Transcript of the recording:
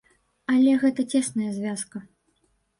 Але гэта цесная звязка.